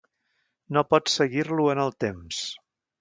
No pots seguir-lo en el temps.